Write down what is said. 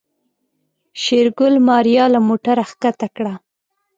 شېرګل ماريا له موټره کښته کړه.